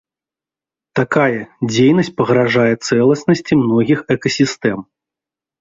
Такая дзейнасць пагражае цэласнасці многіх экасістэм.